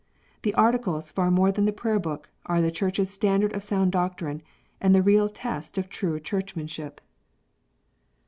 The Articles, far more than the Prayer book, are the Church s standard of sound doctrine, and the real test of true Churchmanship.